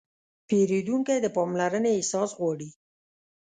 پیرودونکی د پاملرنې احساس غواړي.